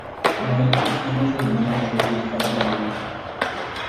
Mãe e filha jogando um jogo de tabuleiro